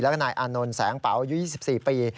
แล้วก็นายอานนท์แสงเป๋าอายุ๒๔ปี